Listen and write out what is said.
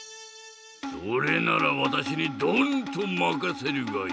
それならわたしにドンとまかせるがいい。